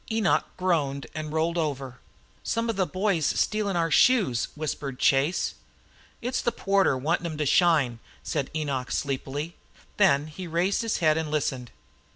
Enoch groaned and rolled over. "Some of the boys stealing our shoes," whispered Chase. "It's the porter wantin' 'em to shine," said Enoch sleepily. Then he raised his head and listened.